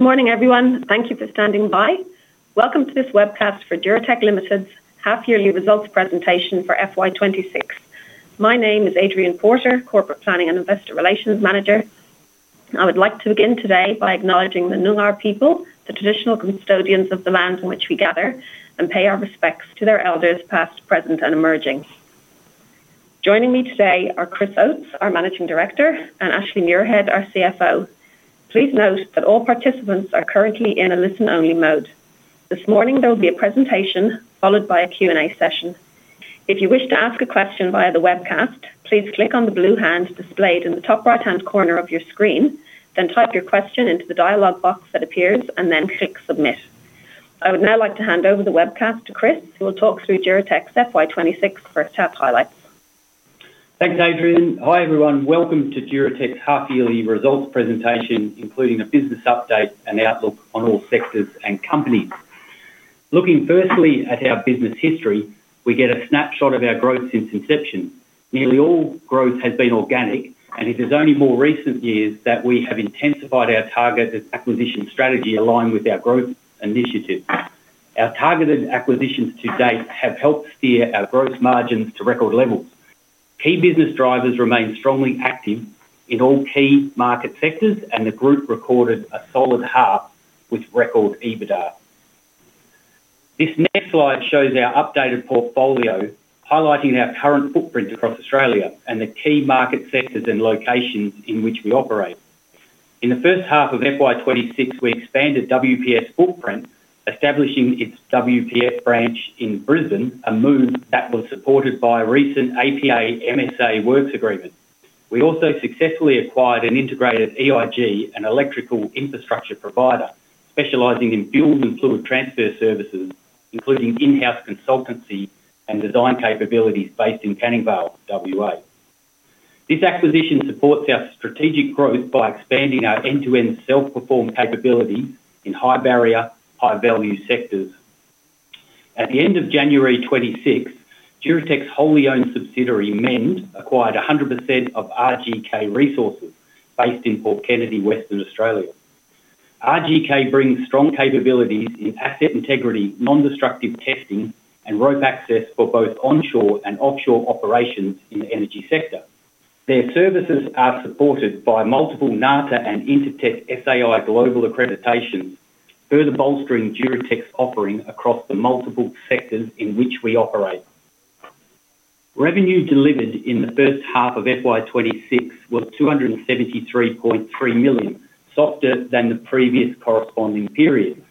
Good morning, everyone. Thank you for standing by. Welcome to this webcast for Duratec Limited's half yearly results presentation for FY 2026. My name is Adrienne Porter, Corporate Planning and Investor Relations Manager. I would like to begin today by acknowledging the Noongar people, the traditional custodians of the lands in which we gather, and pay our respects to their elders, past, present, and emerging. Joining me today are Chris Oates, our Managing Director, and Ashley Muirhead, our CFO. Please note that all participants are currently in a listen-only mode. This morning, there will be a presentation followed by a Q&A session. If you wish to ask a question via the webcast, please click on the blue hand displayed in the top right-hand corner of your screen. Then type your question into the dialogue box that appears, and then click Submit. I would now like to hand over the webcast to Chris, who will talk through Duratec's FY 26 first half highlights. Thanks, Adrienne. Hi, everyone. Welcome to Duratec's half-yearly results presentation, including a business update and outlook on all sectors and companies. Looking firstly at our business history, we get a snapshot of our growth since inception. Nearly all growth has been organic, and it is only more recent years that we have intensified our targeted acquisition strategy aligned with our growth initiative. Our targeted acquisitions to date have helped steer our growth margins to record levels. Key business drivers remain strongly active in all key market sectors, and the group recorded a solid half with record EBITDA. This next slide shows our updated portfolio, highlighting our current footprint across Australia and the key market sectors and locations in which we operate. In the first half of FY 2026, we expanded WPF footprint, establishing its WPF branch in Brisbane, a move that was supported by a recent APA MSA Works agreement. We also successfully acquired an integrated EIG, an electrical infrastructure provider specializing in fuel and fluid transfer services, including in-house consultancy and design capabilities based in Canning Vale, W.A. This acquisition supports our strategic growth by expanding our end-to-end self-performed capability in high-barrier, high-value sectors. At the end of January 26th, Duratec's wholly owned subsidiary, MEnD, acquired 100% of RGK Resources based in Port Kennedy, Western Australia. RGK brings strong capabilities in asset integrity, non-destructive testing, and rope access for both onshore and offshore operations in the energy sector. Their services are supported by multiple NATA and Intertek SAI Global accreditations, further bolstering Duratec's offering across the multiple sectors in which we operate. Revenue delivered in the first half of FY 2026 was 273.3 million, softer than the previous corresponding period,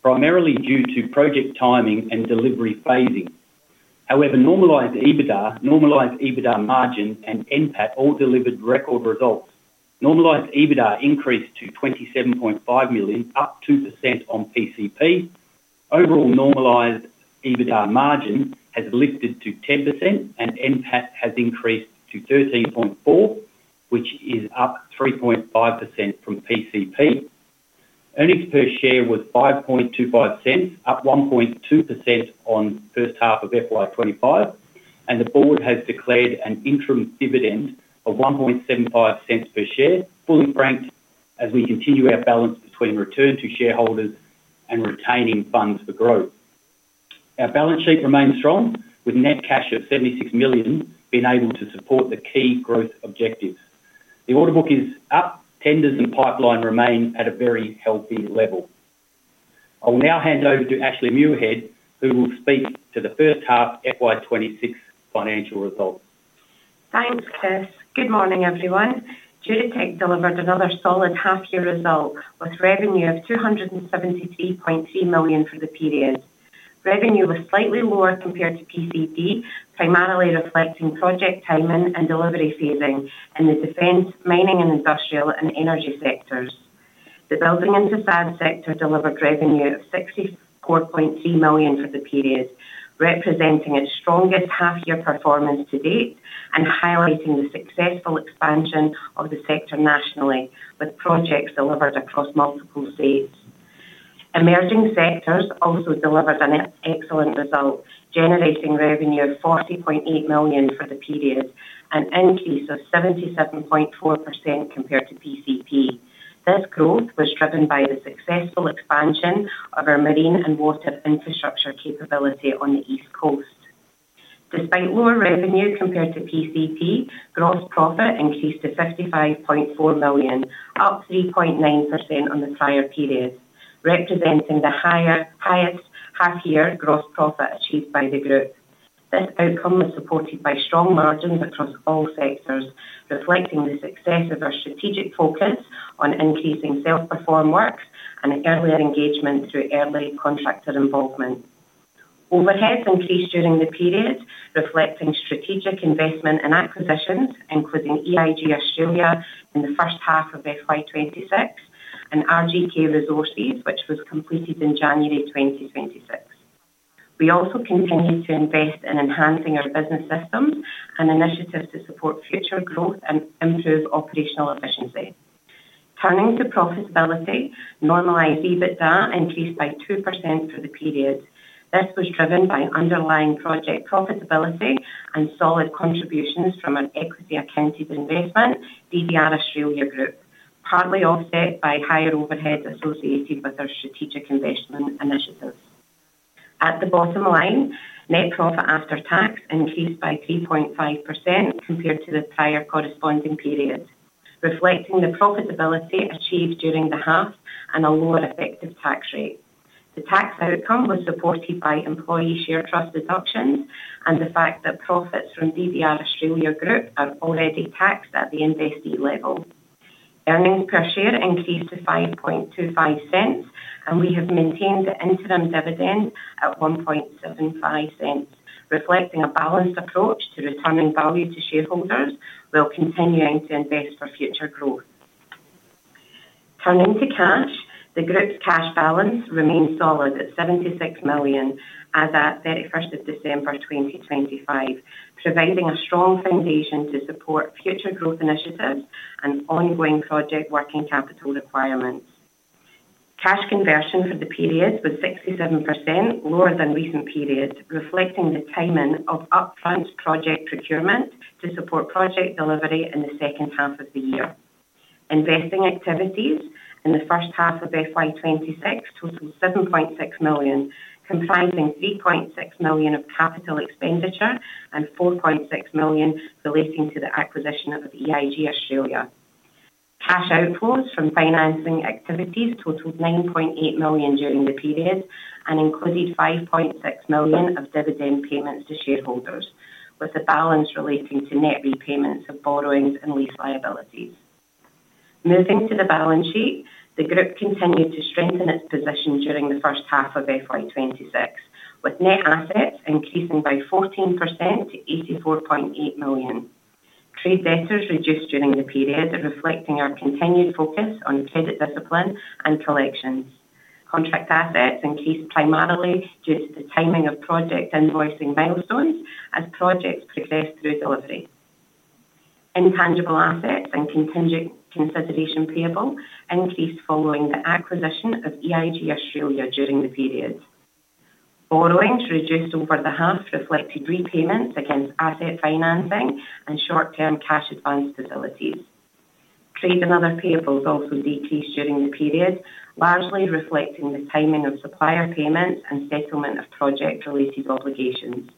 primarily due to project timing and delivery phasing. Normalized EBITDA, normalized EBITDA margin, and NPAT all delivered record results. Normalized EBITDA increased to 27.5 million, up 2% on PCP. Overall, normalized EBITDA margin has lifted to 10%, and NPAT has increased to 13.4 million, which is up 3.5% from PCP. Earnings per share was 0.0525, up 1.2% on the first half of FY 2025, the board has declared an interim dividend of 0.0175 per share, fully franked, as we continue our balance between return to shareholders and retaining funds for growth. Our balance sheet remains strong, with net cash of 76 million being able to support the key growth objectives. The order book is up. Tenders and pipeline remain at a very healthy level. I will now hand over to Ashley Muirhead, who will speak to the first half FY 26 financial results. Thanks, Chris. Good morning, everyone. Duratec delivered another solid half-year result, with revenue of 273.3 million for the period. Revenue was slightly lower compared to PCP, primarily reflecting project timing and delivery phasing in the Defence, mining and industrial, and energy sectors. The building infrastructure sector delivered revenue of 64.3 million for the period, representing its strongest half-year performance to date and highlighting the successful expansion of the sector nationally, with projects delivered across multiple states. Emerging sectors also delivered an excellent result, generating revenue of 40.8 million for the period, an increase of 77.4% compared to PCP. This growth was driven by the successful expansion of our marine and water infrastructure capability on the East Coast. Despite lower revenue compared to PCP, gross profit increased to 55.4 million, up 3.9% on the prior period, representing the highest half-year gross profit achieved by the group. This outcome was supported by strong margins across all sectors, reflecting the success of our strategic focus on increasing self-perform works and earlier engagement through early contractor involvement. Overheads increased during the period, reflecting strategic investment in acquisitions, including EIG Australia in the first half of FY 2026 and RGK Resources, which was completed in January 2026. We also continued to invest in enhancing our business systems and initiatives to support future growth and improve operational efficiency. Turning to profitability, normalized EBITDA increased by 2% for the period. This was driven by underlying project profitability and solid contributions from an equity accounted investment, DDR Australia Group, partly offset by higher overheads associated with our strategic investment initiatives. At the bottom line, net profit after tax increased by 3.5% compared to the prior corresponding period, reflecting the profitability achieved during the half and a lower effective tax rate. The tax outcome was supported by employee share trust reductions and the fact that profits from DDR Australia Group are already taxed at the investee level. Earnings per share increased to 0.0525. We have maintained the interim dividend at 0.0175, reflecting a balanced approach to returning value to shareholders, while continuing to invest for future growth. Turning to cash, the group's cash balance remains solid at 76 million as at 31st of December, 2025, providing a strong foundation to support future growth initiatives and ongoing project working capital requirements. Cash conversion for the period was 67% lower than recent periods, reflecting the timing of upfront project procurement to support project delivery in the second half of the year. Investing activities in the first half of FY 2026 totaled 7.6 million, comprising 3.6 million of capital expenditure and 4.6 million relating to the acquisition of the EIG Australia. Cash outflows from financing activities totaled 9.8 million during the period and included 5.6 million of dividend payments to shareholders, with the balance relating to net repayments of borrowings and lease liabilities. Moving to the balance sheet, the group continued to strengthen its position during the first half of FY 26, with net assets increasing by 14% to 84.8 million. Trade debtors reduced during the period, reflecting our continued focus on credit discipline and collections. Contract assets increased primarily due to the timing of project invoicing milestones as projects progress through delivery. Intangible assets and contingent consideration payable increased following the acquisition of EIG Australia during the period. Borrowings reduced over the half, reflected repayments against asset financing and short-term cash advance facilities. Trade and other payables also decreased during the period, largely reflecting the timing of supplier payments and settlement of project-related obligations.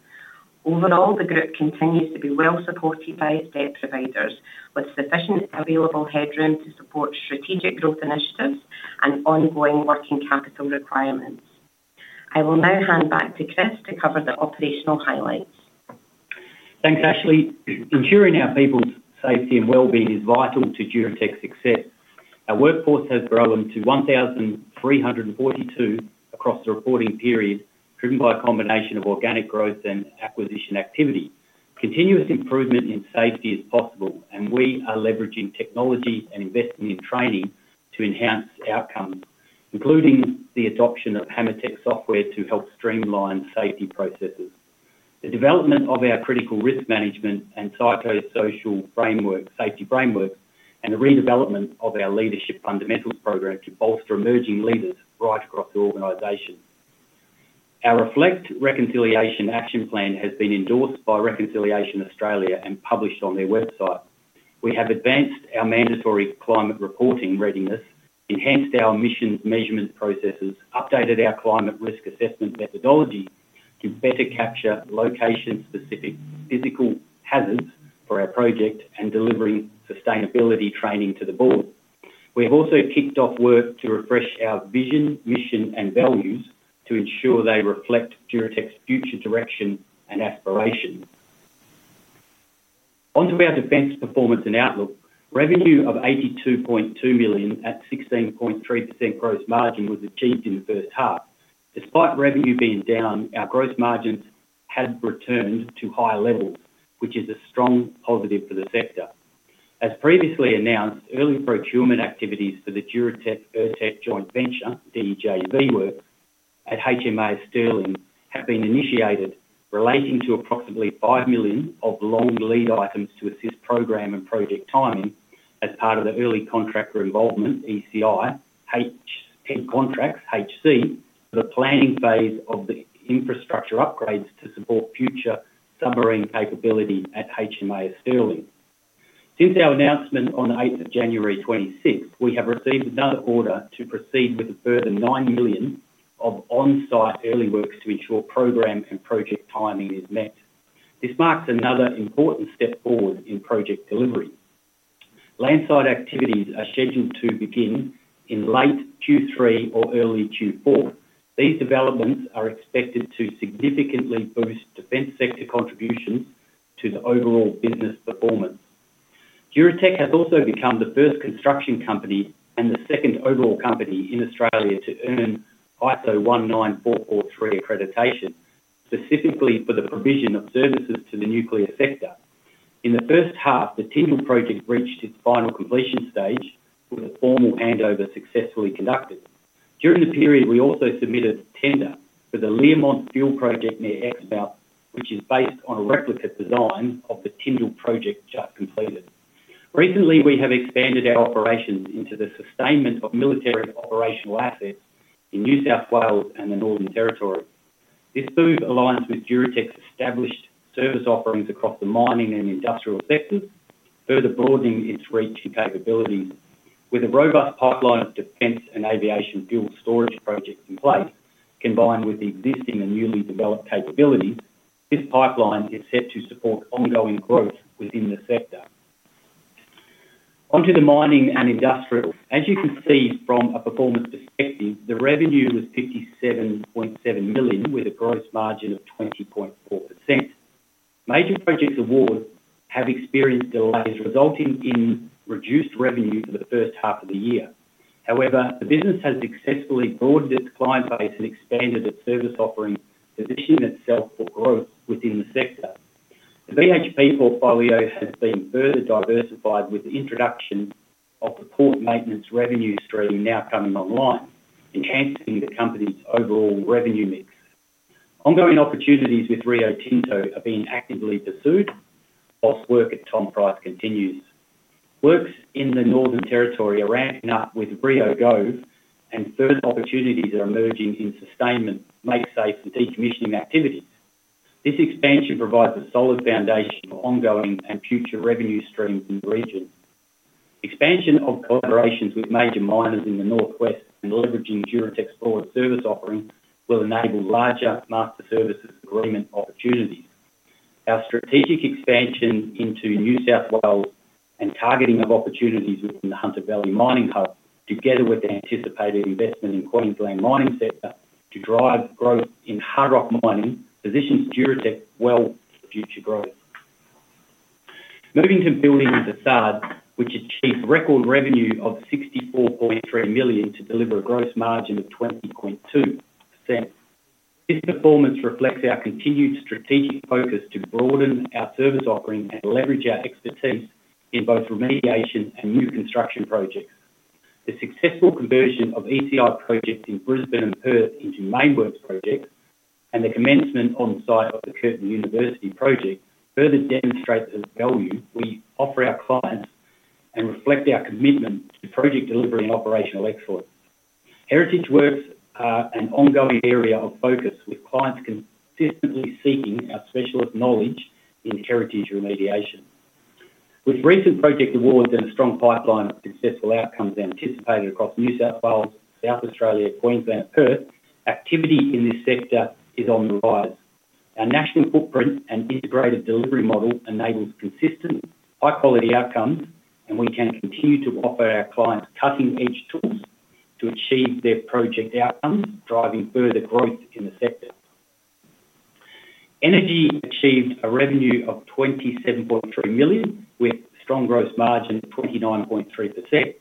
The group continues to be well supported by its debt providers, with sufficient available headroom to support strategic growth initiatives and ongoing working capital requirements. I will now hand back to Chris to cover the operational highlights. Thanks, Ashley. Ensuring our people's safety and wellbeing is vital to Duratec's success. Our workforce has grown to 1,342 across the reporting period, driven by a combination of organic growth and acquisition activity. Continuous improvement in safety is possible. We are leveraging technology and investing in training to enhance outcomes, including the adoption of HammerTech software to help streamline safety processes. The development of our critical risk management and psychosocial framework, safety framework, and the redevelopment of our Leadership Fundamentals program to bolster emerging leaders right across the organization. Our Reflect Reconciliation Action Plan has been endorsed by Reconciliation Australia and published on their website. We have advanced our mandatory climate reporting readiness, enhanced our emissions measurement processes, updated our climate risk assessment methodology to better capture location-specific physical hazards for our project, and delivering sustainability training to the board. We have also kicked off work to refresh our vision, mission, and values to ensure they reflect Duratec's future direction and aspirations. On to our defense performance and outlook. Revenue of 82.2 million at 16.3% gross margin was achieved in the first half. Despite revenue being down, our gross margins have returned to high levels, which is a strong positive for the sector. As previously announced, early procurement activities for the Duratec Ertech Joint Venture, DEJV work at HMAS Stirling, have been initiated, relating to approximately 5 million of long lead items to assist program and project timing as part of the early contractor involvement, ECI, head contracts, HC, for the planning phase of the infrastructure upgrades to support future submarine capability at HMAS Stirling. Since our announcement on the 8th of January 2026, we have received another order to proceed with a further 9 million of on-site early works to ensure program and project timing is met. This marks another important step forward in project delivery. Landside activities are scheduled to begin in late Q3 or early Q4. These developments are expected to significantly boost Defence sector contribution to the overall business performance. Duratec has also become the first construction company and the second overall company in Australia to earn ISO 19443 accreditation, specifically for the provision of services to the nuclear sector. In the first half, the Tindal project reached its final completion stage, with a formal handover successfully conducted. During the period, we also submitted a tender for the Learmonth Fuel Project near Exmouth, which is based on a replica design of the Tindal project just completed. Recently, we have expanded our operations into the sustainment of military operational assets in New South Wales and the Northern Territory. This move aligns with Duratec's established service offerings across the mining and industrial sectors, further broadening its reach and capabilities. With a robust pipeline of defense and aviation fuel storage projects in place, combined with the existing and newly developed capabilities, this pipeline is set to support ongoing growth within the sector. Onto the mining and industrial. As you can see from a performance perspective, the revenue was 57.7 million, with a gross margin of 20.4%. Major projects awards have experienced delays, resulting in reduced revenue for the first half of the year. However, the business has successfully broadened its client base and expanded its service offering, positioning itself for growth within the sector. The BHP portfolio has been further diversified with the introduction of the port maintenance revenue stream now coming online, enhancing the company's overall revenue mix. Ongoing opportunities with Rio Tinto are being actively pursued, while work at Tom Price continues. Works in the Northern Territory are ramping up with Rio Go, and further opportunities are emerging in sustainment, make, safe, and decommissioning activities. This expansion provides a solid foundation for ongoing and future revenue streams in the region. Expansion of collaborations with major miners in the Northwest and leveraging Duratec's forward service offering will enable larger master services agreement opportunities. Our strategic expansion into New South Wales and targeting of opportunities within the Hunter Valley mining hub, together with the anticipated investment in Queensland mining sector to drive growth in hard rock mining, positions Duratec well for future growth. Moving to Buildings and Facades, which achieved record revenue of 64.3 million to deliver a gross margin of 20.2%. This performance reflects our continued strategic focus to broaden our service offering and leverage our expertise in both remediation and new construction projects. The successful conversion of ECI projects in Brisbane and Perth into main works projects, and the commencement on site of the Curtin University project, further demonstrates the value we offer our clients and reflect our commitment to project delivery and operational excellence. Heritage works are an ongoing area of focus, with clients consistently seeking our specialist knowledge in heritage remediation. With recent project awards and a strong pipeline of successful outcomes anticipated across New South Wales, South Australia, Queensland, and Perth, activity in this sector is on the rise. Our national footprint and integrated delivery model enables consistent, high-quality outcomes. We can continue to offer our clients cutting-edge tools to achieve their project outcomes, driving further growth in the sector. Energy achieved a revenue of 27.3 million, with strong gross margin of 29.3%.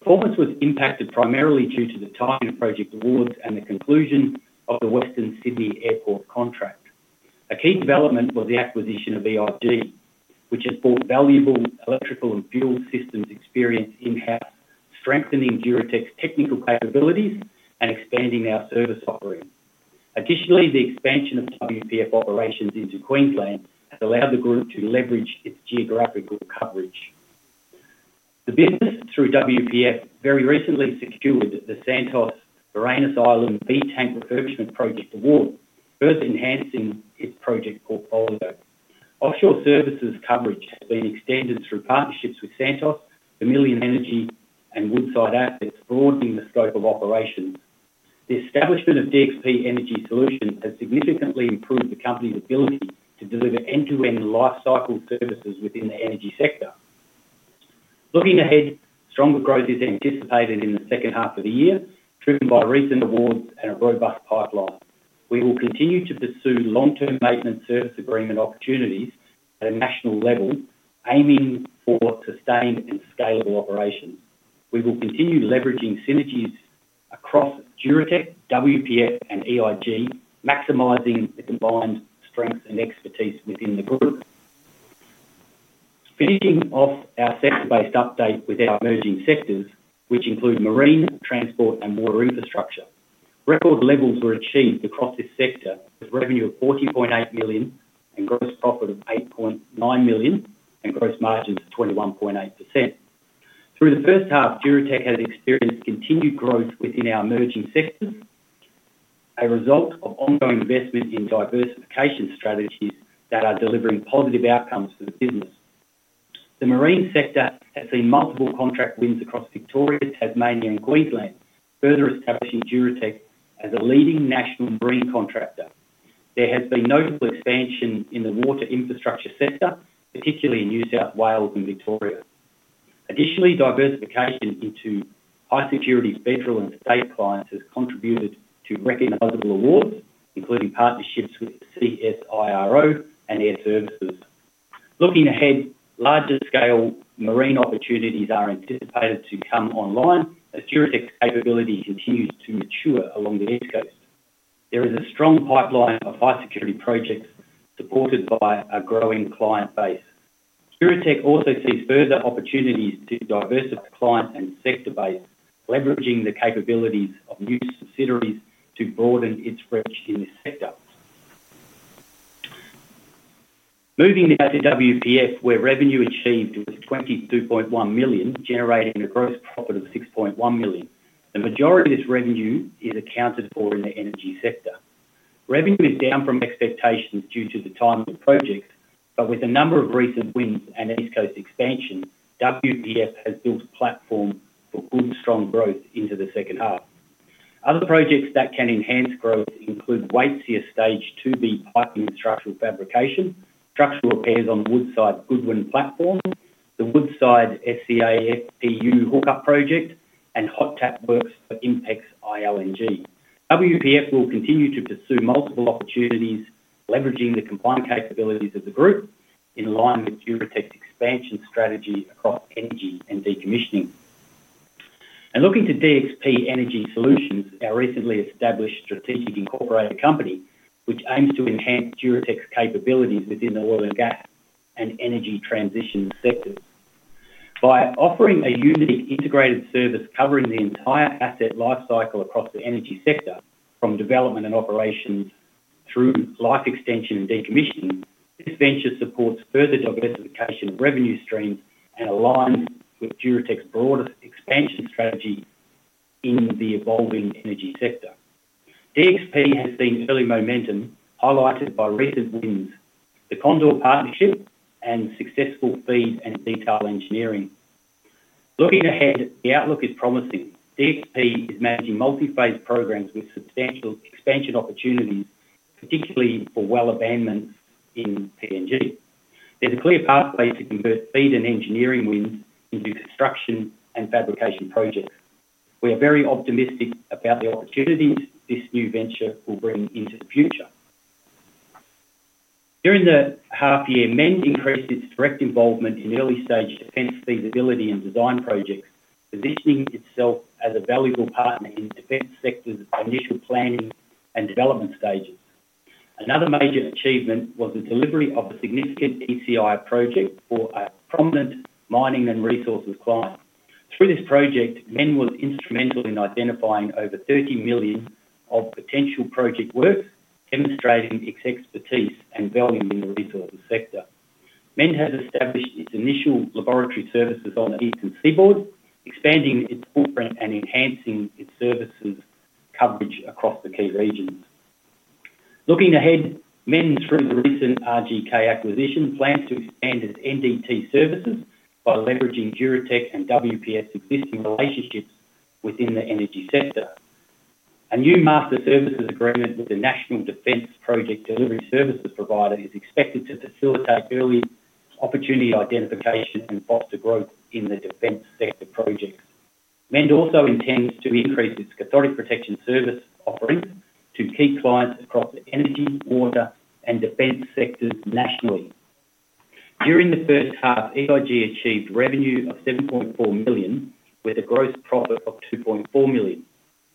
Performance was impacted primarily due to the timing of project awards and the conclusion of the Western Sydney Airport contract. A key development was the acquisition of EIG, which has brought valuable electrical and fuel systems experience in-house, strengthening Duratec's technical capabilities and expanding our service offering. Additionally, the expansion of WPF operations into Queensland has allowed the group to leverage its geographical coverage. The business, through WPF, very recently secured the Santos Barrow Island B tank refurbishment project award, further enhancing its project portfolio. Offshore services coverage has been extended through partnerships with Santos, Vermilion Energy, and Woodside, broadening the scope of operations. The establishment of DXP Energy Solutions has significantly improved the company's ability to deliver end-to-end life cycle services within the energy sector. Looking ahead, stronger growth is anticipated in the second half of the year, driven by recent awards and a robust pipeline. We will continue to pursue long-term maintenance service agreement opportunities at a national level, aiming for sustained and scalable operations. We will continue leveraging synergies across Duratec, WPF, and EIG, maximizing the combined strengths and expertise within the group. Finishing off our sector-based update with our emerging sectors, which include marine, transport, and water infrastructure. Record levels were achieved across this sector, with revenue of 14.8 million and gross profit of 8.9 million and gross margins of 21.8%. Through the first half, Duratec has experienced continued growth within our emerging sectors, a result of ongoing investment in diversification strategies that are delivering positive outcomes for the business. The marine sector has seen multiple contract wins across Victoria, Tasmania, and Queensland, further establishing Duratec as a leading national marine contractor. There has been notable expansion in the water infrastructure sector, particularly in New South Wales and Victoria. Additionally, diversification into high security federal and state clients has contributed to recognizable awards, including partnerships with CSIRO and Air Services. Looking ahead, larger scale marine opportunities are anticipated to come online as Duratec's capability continues to mature along the East Coast. There is a strong pipeline of high security projects supported by a growing client base. Duratec also sees further opportunities to diversify client and sector base, leveraging the capabilities of new subsidiaries to broaden its reach in this sector. Moving now to WPF, where revenue achieved was 22.1 million, generating a gross profit of 6.1 million. The majority of this revenue is accounted for in the energy sector. Revenue is down from expectations due to the timing of projects. With a number of recent wins and East Coast expansion, WPF has built a platform for good, strong growth into the second half. Other projects that can enhance growth include Wheatstone Stage 2B piping and structural fabrication, structural repairs on the Woodside Goodwyn platform, the Woodside SCAPU hookup project, and hot tap works for Inpex Ichthys LNG. WPF will continue to pursue multiple opportunities, leveraging the combined capabilities of the group in line with Duratec's expansion strategy across energy and decommissioning. Looking to DXP Energy Solutions, our recently established strategic incorporated company, which aims to enhance Duratec's capabilities within the oil and gas and energy transition sectors. By offering a unique integrated service covering the entire asset life cycle across the energy sector, from development and operations through life extension and decommissioning, this venture supports further diversification of revenue streams and aligns with Duratec's broader expansion strategy in the evolving energy sector. DXP has seen early momentum, highlighted by recent wins, the Condor partnership, and successful feed and detail engineering. Looking ahead, the outlook is promising. DXP is managing multi-phase programs with substantial expansion opportunities, particularly for well abandonment in PNG. There's a clear pathway to convert feed and engineering wins into construction and fabrication projects. We are very optimistic about the opportunities this new venture will bring into the future. During the half year, MEnD increased its direct involvement in early-stage Defence feasibility and design projects, positioning itself as a valuable partner in Defence sector's initial planning and development stages. Another major achievement was the delivery of a significant ECI project for a prominent mining and resources client. Through this project, MEnD was instrumental in identifying over 30 million of potential project work, demonstrating its expertise and value in the resources sector. MEnD has established its initial laboratory services on the eastern seaboard, expanding its footprint and enhancing its services coverage across the key regions. Looking ahead, MEnD, through the recent RGK acquisition, plans to expand its NDT services by leveraging Duratec and WPF's existing relationships within the energy sector. A new master services agreement with the National Defence Project Delivery Services provider is expected to facilitate early opportunity identification and foster growth in the Defence sector projects. MEnD also intends to increase its cathodic protection service offerings to key clients across the energy, water, and defense sectors nationally. During the first half, EIG achieved revenue of 7.4 million, with a gross profit of 2.4 million.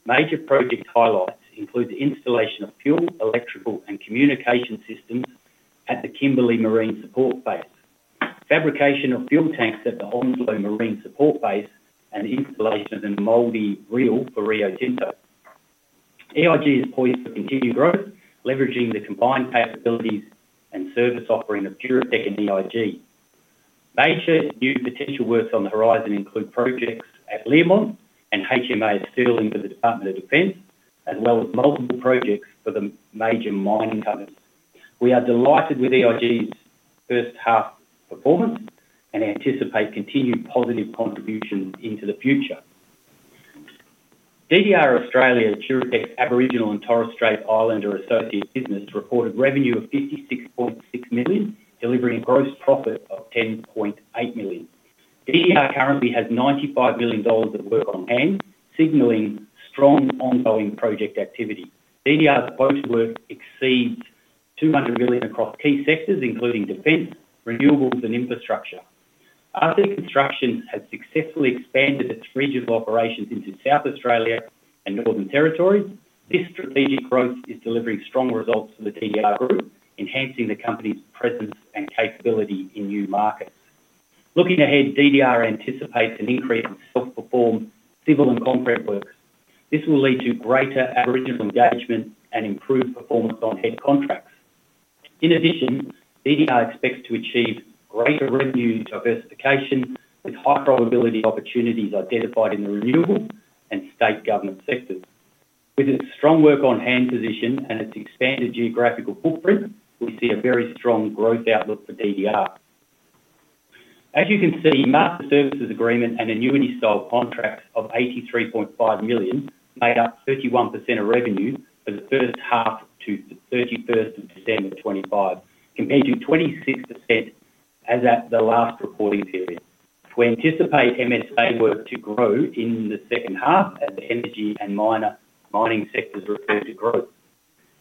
Major project highlights include the installation of fuel, electrical, and communication systems at the Kimberley Marine Support Base, fabrication of fuel tanks at the Hong Kong Marine Support Base, and the installation of the mooring dolphin for Rio Tinto. EIG is poised for continued growth, leveraging the combined capabilities and service offering of Duratec and EIG. Major new potential works on the horizon include projects at Learmonth and HMAS Stirling for the Department of Defence, as well as multiple projects for the major mining companies. We are delighted with EIG's first half performance and anticipate continued positive contributions into the future. DDR Australia, Duratec, Aboriginal, and Torres Strait Islander Associate business, reported revenue of 56.6 million, delivering a gross profit of 10.8 million. DDR currently has 95 million dollars of work on hand, signaling strong ongoing project activity. DDR's posted work exceeds 200 million across key sectors, including defense, renewables, and infrastructure. RC Construction has successfully expanded its regional operations into South Australia and Northern Territory. This strategic growth is delivering strong results for the DDR Group, enhancing the company's presence and capability in new markets. Looking ahead, DDR anticipates an increase in self-performed civil and concrete works. This will lead to greater Aboriginal engagement and improved performance on HED contracts. In addition, DDR expects to achieve greater revenue diversification, with high probability opportunities identified in the renewable and state government sectors. With its strong work on hand position and its expanded geographical footprint, we see a very strong growth outlook for DDR. As you can see, Master Services Agreement and annuity style contracts of 83.5 million made up 31% of revenue for the first half to the 31st of December 2025, compared to 26% as at the last reporting period. We anticipate MSA work to grow in the second half as the energy and minor mining sectors are set to grow.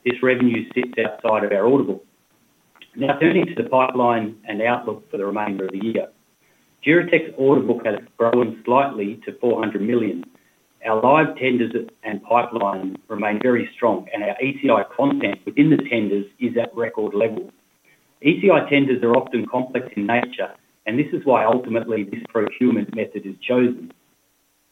This revenue sits outside of our order book. Turning to the pipeline and outlook for the remainder of the year. Duratec's order book has grown slightly to 400 million. Our live tenders and pipeline remain very strong, and our ECI content within the tenders is at record levels. ECI tenders are often complex in nature, and this is why, ultimately, this procurement method is chosen.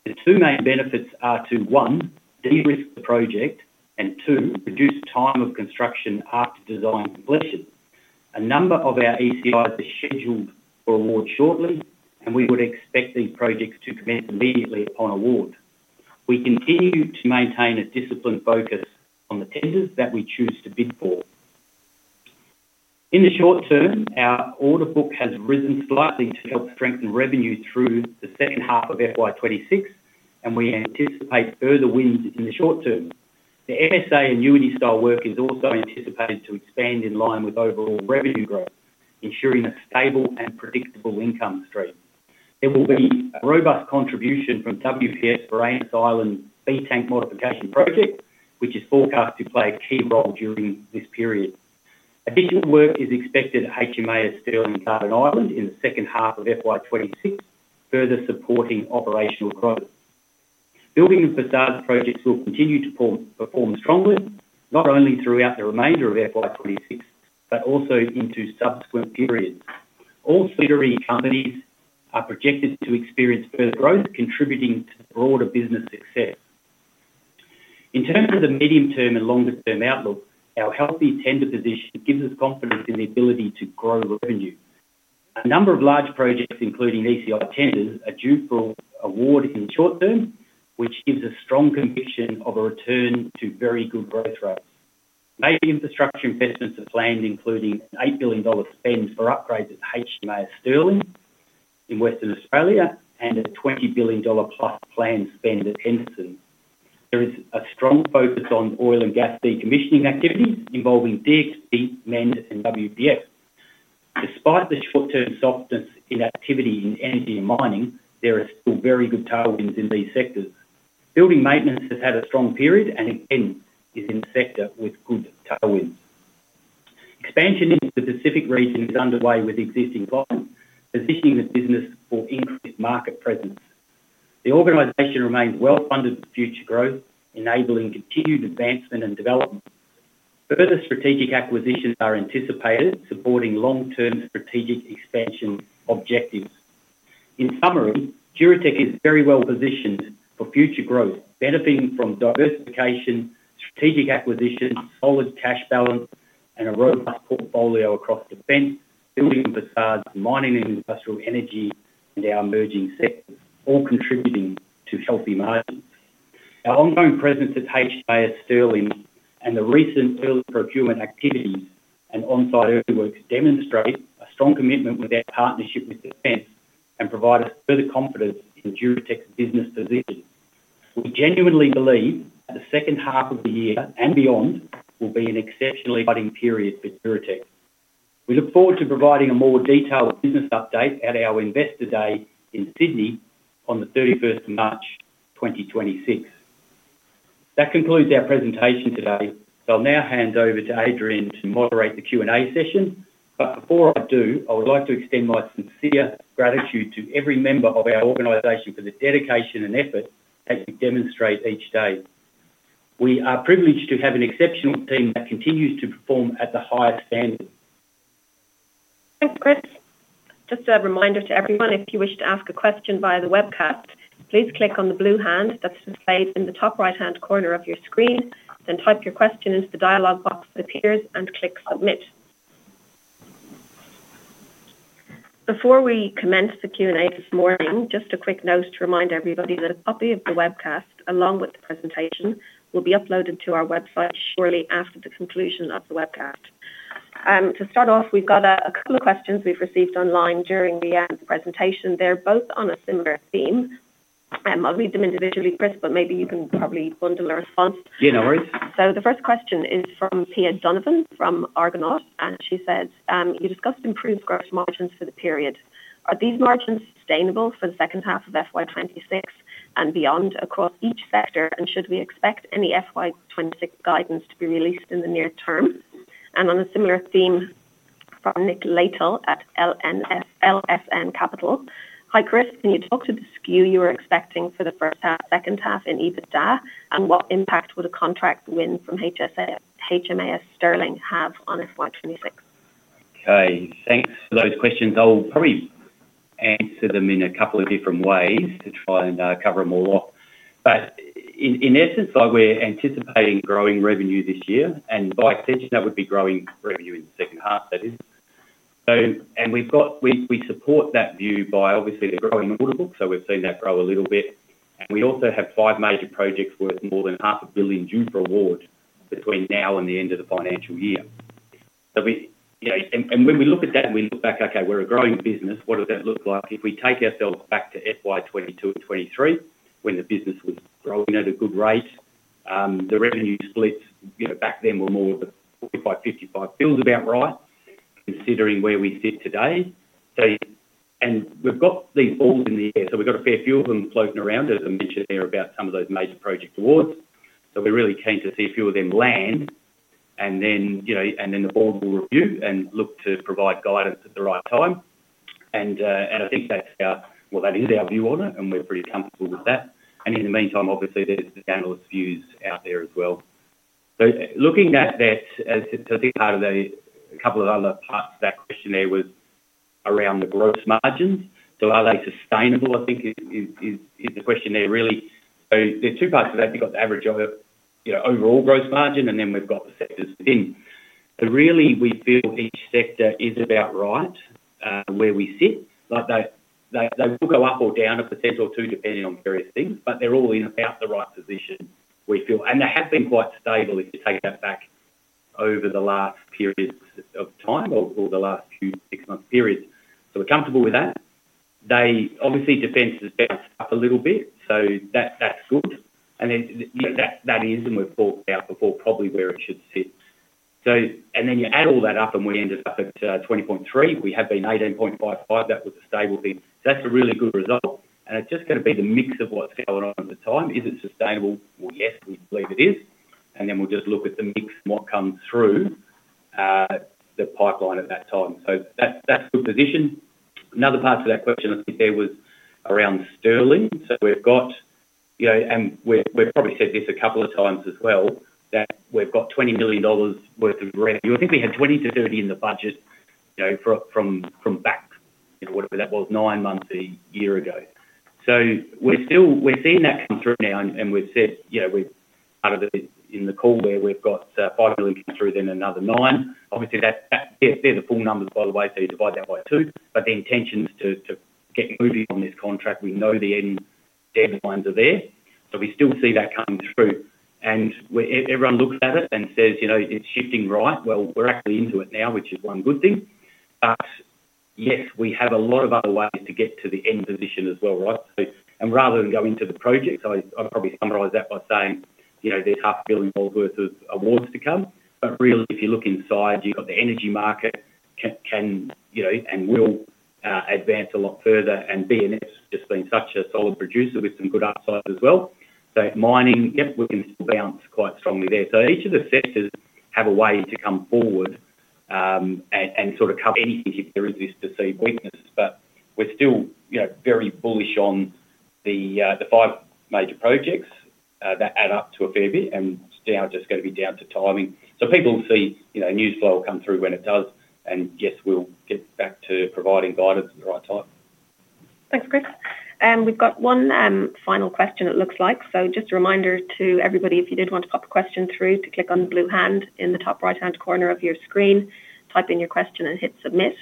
The two main benefits are to, one, de-risk the project, and two, reduce time of construction after design completion. A number of our ECIs are scheduled for award shortly, and we would expect these projects to commence immediately upon award. We continue to maintain a disciplined focus on the tenders that we choose to bid for. In the short term, our order book has risen slightly to help strengthen revenue through the second half of FY 2026, and we anticipate further wins in the short term. The FSA annuity style work is also anticipated to expand in line with overall revenue growth, ensuring a stable and predictable income stream. There will be a robust contribution from WPF for Barrow Island B Tank Modification Project, which is forecast to play a key role during this period. Additional work is expected at HMAS Stirling Garden Island in the second half of FY 2026, further supporting operational growth. Building and façade projects will continue to perform strongly, not only throughout the remainder of FY 2026 but also into subsequent periods. All subsidiary companies are projected to experience further growth, contributing to the broader business success. In terms of the medium-term and longer-term outlook, our healthy tender position gives us confidence in the ability to grow revenue. A number of large projects, including ECI tenders, are due for award in the short term, which gives a strong conviction of a return to very good growth rates. Major infrastructure investments are planned, including an AUD 8 billion spend for upgrades at HMAS Stirling in Western Australia and an AUD 20 billion plus planned spend at Henderson. There is a strong focus on oil and gas decommissioning activities involving DXP, MEnD, and WPF. Despite the short-term softness in activity in energy and mining, there are still very good tailwinds in these sectors. Building maintenance has had a strong period and again, is in a sector with good tailwinds. Expansion into the Pacific region is underway with existing clients, positioning the business for increased market presence. The organization remains well-funded for future growth, enabling continued advancement and development. Further strategic acquisitions are anticipated, supporting long-term strategic expansion objectives. In summary, Duratec is very well positioned for future growth, benefiting from diversification, strategic acquisitions, solid cash balance, and a robust portfolio across Defence, building and facades, mining and industrial energy, and our emerging sectors, all contributing to healthy margins. Our ongoing presence at HMAS Stirling and the recent early procurement activities and on-site early works demonstrate a strong commitment with our partnership with Defence and provide us further confidence in Duratec's business position. We genuinely believe that the second half of the year and beyond will be an exceptionally exciting period for Duratec. We look forward to providing a more detailed business update at our Investor Day in Sydney on the 31st of March, 2026. That concludes our presentation today. I'll now hand over to Adrian to moderate the Q&A session. Before I do, I would like to extend my sincere gratitude to every member of our organization for the dedication and effort that you demonstrate each day. We are privileged to have an exceptional team that continues to perform at the highest standard. Thanks, Chris. Just a reminder to everyone, if you wish to ask a question via the webcast, please click on the blue hand that's displayed in the top right-hand corner of your screen, then type your question as the dialog box appears, and click Submit. Before we commence the Q&A this morning, just a quick note to remind everybody that a copy of the webcast, along with the presentation, will be uploaded to our website shortly after the conclusion of the webcast. To start off, we've got a couple of questions we've received online during the presentation. They're both on a similar theme, I'll read them individually, Chris, but maybe you can probably bundle a response. Yeah, no worries. The first question is from Pia Donovan, from Argonaut, and she says, "You discussed improved gross margins for the period. Are these margins sustainable for the second half of FY 26 and beyond across each sector, and should we expect any FY 26 guidance to be released in the near term?" On a similar theme, from Nicholas Leith at LSN Capital, "Hi, Chris, can you talk to the skew you were expecting for the first half, second half in EBITDA, and what impact would a contract win from HMAS Stirling have on FY 26? Okay, thanks for those questions. I'll probably answer them in a couple of different ways to try and cover them all off. In essence, like, we're anticipating growing revenue this year, and by extension, that would be growing revenue in the second half, that is. We support that view by obviously the growing order book, so we've seen that grow a little bit. We also have five major projects worth more than AUD half a billion due for award between now and the end of the financial year. we, you know, and when we look at that and we look back, okay, we're a growing business, what does that look like? If we take ourselves back to FY 2022 and 2023, when the business was growing at a good rate, the revenue splits, you know, back then were more of a 45, 55 feels about right, considering where we sit today. And we've got these balls in the air, so we've got a fair few of them floating around, as I mentioned there, about some of those major project awards. We're really keen to see a few of them land, and then, you know, and then the board will review and look to provide guidance at the right time. And I think that is our view on it, and we're pretty comfortable with that. In the meantime, obviously, there's the analyst views out there as well. Looking at that, as to this part of the, a couple of other parts of that question there was around the gross margins. Are they sustainable? I think is the question there, really. There are two parts of that. We've got the average over, you know, overall gross margin, and then we've got the sectors within. Really, we feel each sector is about right, where we sit. Like, they will go up or down 1% or 2%, depending on various things, but they're all in about the right position, we feel. And they have been quite stable, if you take that back over the last periods of time or the last few six-month periods. We're comfortable with that. Obviously, Defence has bounced up a little bit, so that's good. That is, and we've talked about before, probably where it should sit. You add all that up, and we ended up at 20.3. We have been 18.55. That was a stable thing. That's a really good result, and it's just gonna be the mix of what's going on at the time. Is it sustainable? Well, yes, we believe it is, we'll just look at the mix and what comes through the pipeline at that time. That's a good position. Another part to that question, I think, there was around HMAS Stirling. We've got, you know, we've probably said this a couple of times as well, that we've got 20 million dollars worth of revenue. I think we had 20-30 in the budget, you know, from back, you know, whatever that was, nine months, a year ago. We're still seeing that come through now, and we've said, you know, out of it in the call there, we've got 5 million coming through, then another 9 million. Obviously, that, they're the full numbers, by the way, so you divide that by 2. The intention is to get moving on this contract. We know the end deadlines are there, so we still see that coming through. When everyone looks at it and says, "You know, it's shifting, right?" Well, we're actually into it now, which is one good thing. Yes, we have a lot of other ways to get to the end position as well, right? Rather than go into the projects, I'd probably summarize that by saying, you know, there's half a billion dollars worth of awards to come. Really, if you look inside, you've got the energy market can, you know, and will advance a lot further, and BNS has just been such a solid producer with some good upside as well. Mining, yep, we can still bounce quite strongly there. Each of the sectors have a way to come forward, and sort of cover anything if there is this perceived weakness. We're still, you know, very bullish on the five major projects that add up to a fair bit, and it's now just gonna be down to timing. People will see, you know, news flow come through when it does, and yes, we'll get back to providing guidance at the right time. Thanks, Chris. We've got one final question, it looks like. Just a reminder to everybody, if you did want to pop a question through, to click on the blue hand in the top right-hand corner of your screen, type in your question, and hit Submit.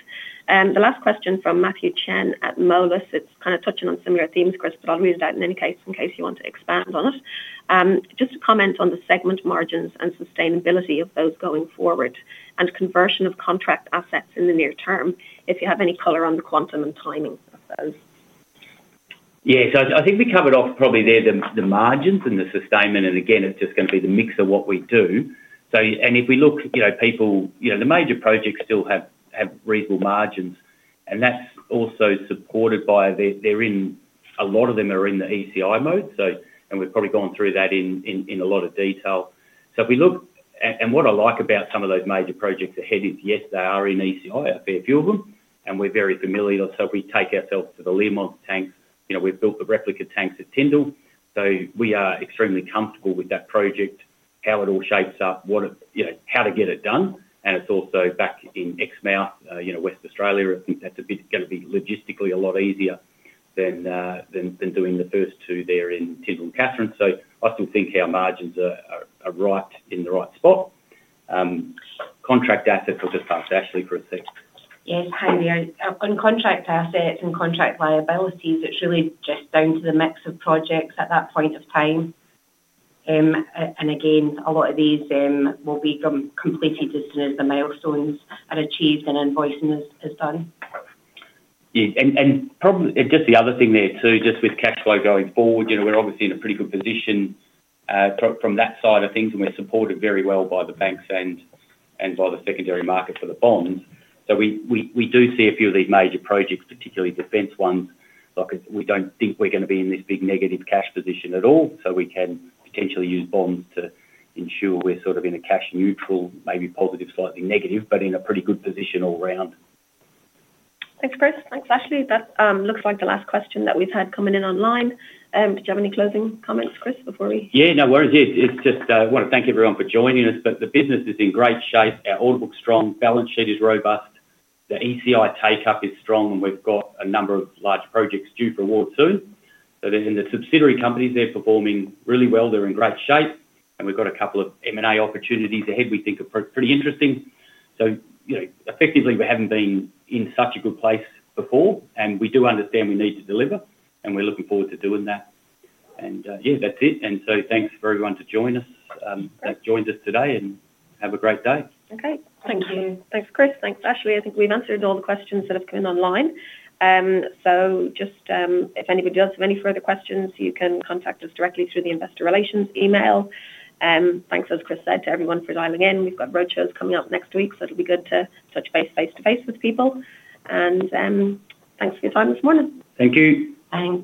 The last question from Matthew Chen at Moelis, it's kinda touching on similar themes, Chris, I'll read it out in any case, in case you want to expand on it. Just to comment on the segment margins and sustainability of those going forward and conversion of contract assets in the near term, if you have any color on the quantum and timing of those. Yes, I think we covered off probably there the margins and the sustainment, and again, it's just gonna be the mix of what we do. If we look, you know, people. You know, the major projects still have reasonable margins, and that's also supported by they're in a lot of them are in the ECI mode, and we've probably gone through that in a lot of detail. If we look, and what I like about some of those major projects ahead is, yes, they are in ECI, a fair few of them, and we're very familiar. If we take ourselves to the Learmonth tanks, you know, we've built the replica tanks at Tindal, so we are extremely comfortable with that project, how it all shapes up, what it, you know, how to get it done. It's also back in Exmouth, you know, West Australia. I think that's a bit, gonna be logistically a lot easier than doing the first two there in Tindal and Katherine. I still think our margins are right, in the right spot. Contract assets, I'll just ask Ashley for a sec. Yes, hi there. On contract assets and contract liabilities, it's really just down to the mix of projects at that point of time. And again, a lot of these will be completed as soon as the milestones are achieved and invoicing is done. Yeah, probably, and just the other thing there, too, just with cash flow going forward, you know, we're obviously in a pretty good position from that side of things, and we're supported very well by the banks and by the secondary market for the bonds. We do see a few of these major projects, particularly Defence ones. Like, we don't think we're gonna be in this big negative cash position at all, so we can potentially use bonds to ensure we're sort of in a cash neutral, maybe positive, slightly negative, but in a pretty good position all around. Thanks, Chris. Thanks, Ashley. That looks like the last question that we've had coming in online. Do you have any closing comments, Chris, before we? No worries. It's just I wanna thank everyone for joining us. The business is in great shape. Our order book's strong, balance sheet is robust, the ECI take-up is strong, and we've got a number of large projects due for award soon. In the subsidiary companies, they're performing really well. They're in great shape, and we've got a couple of M&A opportunities ahead we think are pretty interesting. You know, effectively, we haven't been in such a good place before, and we do understand we need to deliver, and we're looking forward to doing that. Yeah, that's it. Thanks for everyone to join us, that joined us today, and have a great day. Okay. Thank you. Thanks, Chris. Thanks, Ashley. I think we've answered all the questions that have come in online. Just, if anybody does have any further questions, you can contact us directly through the investor relations email. Thanks, as Chris said, to everyone for dialing in. We've got roadshows coming up next week, so it'll be good to touch base face to face with people. Thanks for your time this morning. Thank you. Thanks.